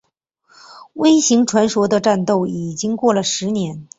微型传说的战斗已经过了十年。